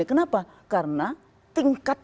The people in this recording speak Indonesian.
kenapa karena tingkat